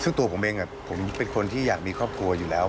ซึ่งตัวผมเองผมเป็นคนที่อยากมีครอบครัวอยู่แล้ว